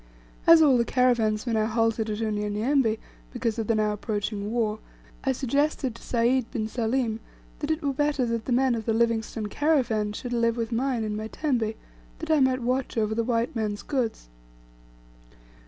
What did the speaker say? As all the caravans were now halted at Unyanyembe because of the now approaching war, I suggested to Sayd bin Salim, that it were better that the men of the Livingstone caravan should live with mine in my tembe, that I might watch over the white man's goods.